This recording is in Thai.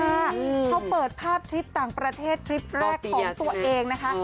เขาเปิดภาพทริปต่างประเทศทริปแรกของตัวเองนะคะ